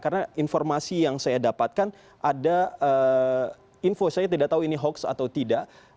karena informasi yang saya dapatkan ada info saya tidak tahu ini hoax atau tidak